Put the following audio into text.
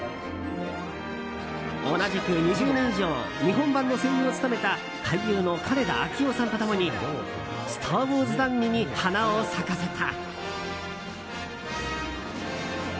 同じく２０年以上日本版の声優を務めた俳優の金田明夫さんと共に「スター・ウォーズ」談議に花を咲かせた。